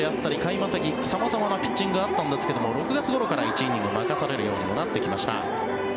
またぎ、様々なピッチングがあったんですが６月ごろから１イニングを任されるようにもなってきました。